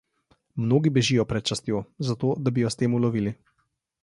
Mnogi bežijo pred častjo, zato da bi jo s tem ulovili.